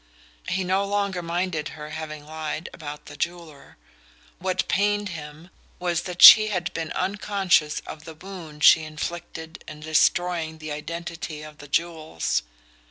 He no longer minded her having lied about the jeweller; what pained him was that she had been unconscious of the wound she inflicted in destroying the identity of the jewels.